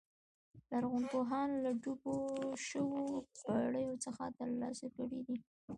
لرغونپوهانو له ډوبو شویو بېړیو څخه ترلاسه کړي دي